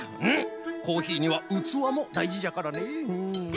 コーヒーにはうつわもだいじじゃからね。